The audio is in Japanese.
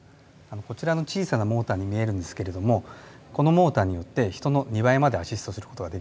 こちらの小さなモーターに見えるんですけれどもこのモーターによって人の２倍までアシストする事ができるんですよ。